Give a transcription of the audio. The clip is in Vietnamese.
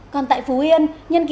còn tại phú yên nhân kỳ